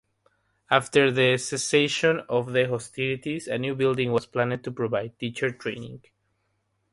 After the cessation of hostilities, a new building was planned to provide teacher training.